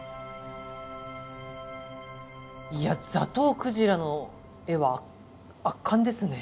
いやザトウクジラの画は圧巻ですね。